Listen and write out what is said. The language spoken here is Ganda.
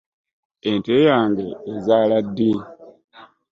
Ente yange ezaala ddi?